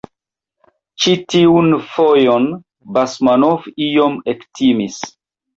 Ĉi tiun fojon Basmanov iom ektimis.